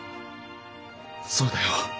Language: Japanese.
そうだよ。